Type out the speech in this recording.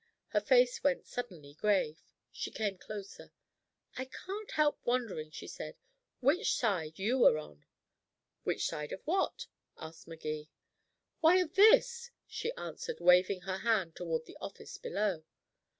Her face went suddenly grave. She came closer. "I can't help wondering," she said, "which side you are on?" "Which side of what?" asked Magee. "Why, of this," she answered, waving her hand toward the office below.